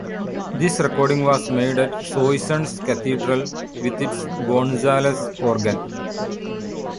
This recording was made at Soissons Cathedral with its Gonzales organ.